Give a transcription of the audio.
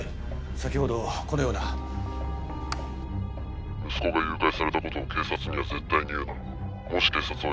先ほどこのような。「息子が誘拐された事を警察には絶対に言うな」